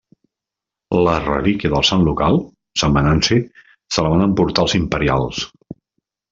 La relíquia del sant local, Sant Venanci, se la van emportar els imperials.